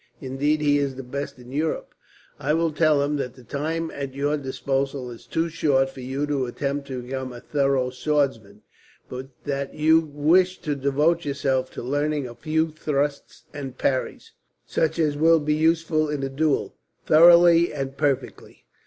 Indeed, he is the best in Europe. I will tell him that the time at your disposal is too short for you to attempt to become a thorough swordsman; but that you wish to devote yourself to learning a few thrusts and parries, such as will be useful in a duel, thoroughly and perfectly.